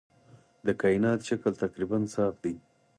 د کائنات شکل تقریباً صاف دی.